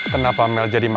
kenapa mel jadi melihat